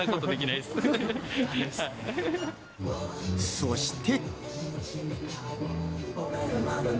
そして。